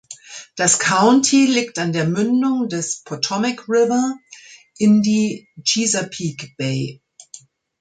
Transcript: Das County liegt an der Mündung des Potomac River in die Chesapeake Bay.